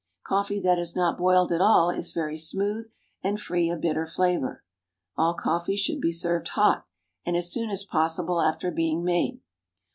Coffee that is not boiled at all is very smooth and free of bitter flavor. All coffee should be served hot, and as soon as possible after being made.